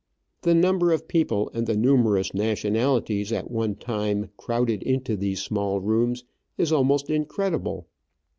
The number of people and the numerous nationalities at one time crowded into these small rooms is almost in credible.